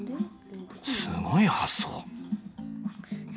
すごい発想。